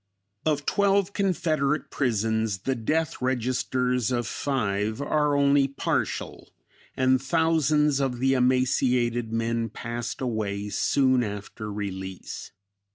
Of twelve Confederate prisons the "death registers" of five are only partial and thousands of the emaciated men passed away soon after release.